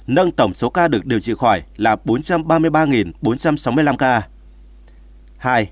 nâng tổng số ca được điều trị khỏi bệnh